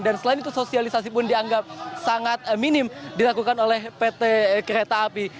dan selain itu sosialisasi pun dianggap sangat minim dilakukan oleh pt kereta api